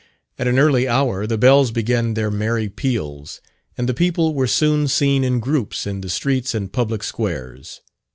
At an early hour the bells began their merry peals, and the people were soon seen in groups in the streets and public squares.